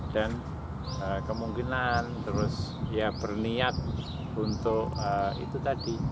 dan kemungkinan terus ya berniat untuk itu tadi